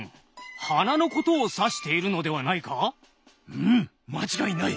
うん間違いない！